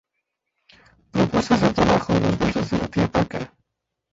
Propuestas de trabajo, Los versos de la Tía Paca.